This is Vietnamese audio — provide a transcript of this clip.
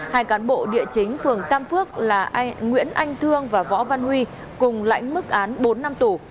hai cán bộ địa chính phường tam phước là nguyễn anh thương và võ văn huy cùng lãnh mức án bốn năm tù